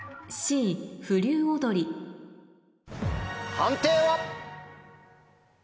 判定は。